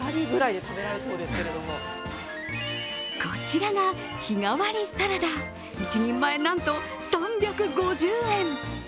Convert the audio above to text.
こちらが日替わりサラダ、１人前なんと３５０円！